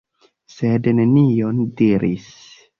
Sed nenion diris.